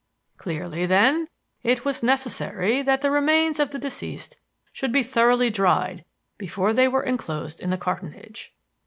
Clearly, then, it was necessary that the remains of the deceased should be thoroughly dried before they were enclosed in the cartonnage.